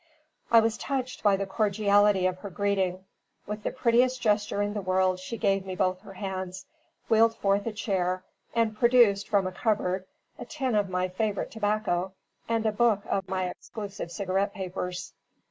I was touched by the cordiality of her greeting. With the prettiest gesture in the world she gave me both her hands; wheeled forth a chair; and produced, from a cupboard, a tin of my favourite tobacco, and a book of my exclusive cigarette papers.